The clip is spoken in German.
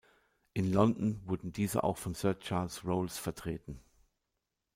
In London wurden diese auch von Sir Charles Rolls vertreten.